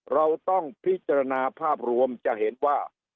เราต้องพิจารณาภาพรวมจะเห็นว่า